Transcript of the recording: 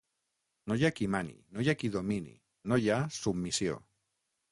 No hi ha qui mani, no hi ha qui domini, no hi ha submissió.